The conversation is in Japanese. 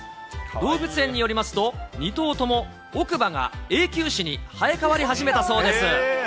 動物園によりますと、２頭とも奥歯が永久歯に生え変わり始めたそうです。